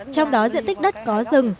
trong đó diện tích đất có rừng